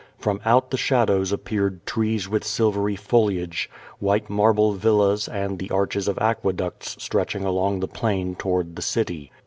From out tlie shadows appeared trees with silvery foliage, white marble villas and the arches of aqueducts stretching along the plain toward the city.